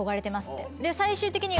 最終的に。